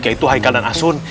yaitu haikal dan asun